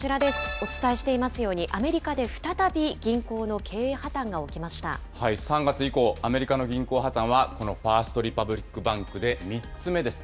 お伝えしていますように、アメリカで再び銀行の経営破綻が起きま３月以降、アメリカの銀行破綻はこのファースト・リパブリック・バンクで３つ目です。